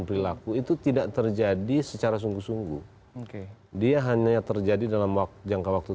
perilaku itu tidak terjadi secara sungguh sungguh oke dia hanya terjadi dalam jangka waktu